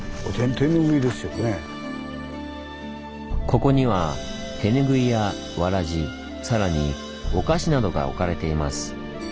ここには手ぬぐいやわらじ更にお菓子などが置かれています。